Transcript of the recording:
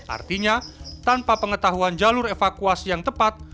artinya tanpa pengetahuan jalur evakuasi yang tepat